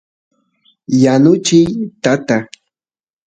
yanuchiy tata